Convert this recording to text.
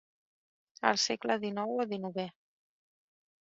El segle dinou o dinovè.